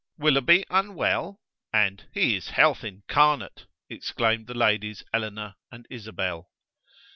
"Willoughby unwell!" and, "He is health incarnate!" exclaimed the ladies Eleanor and Isabel.